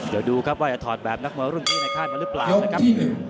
เดี๋ยวดูครับว่าจะถอดแบบนักมวยรุ่นพี่ในค่ายมาหรือเปล่านะครับ